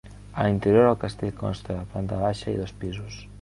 A l’interior el castell consta de planta baixa i dos pisos.